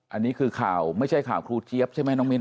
อันนี้คือข่าวไม่ใช่ข่าวครูเจี๊ยบใช่ไหมน้องมิ้น